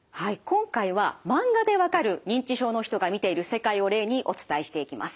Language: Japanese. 今回はマンガでわかる認知症の人が見ている世界を例にお伝えしていきます。